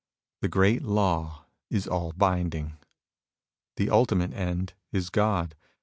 The great Law is all binding. The ultimate end is God.